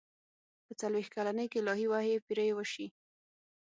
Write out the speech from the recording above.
په څلوېښت کلنۍ کې الهي وحي پرې وشي.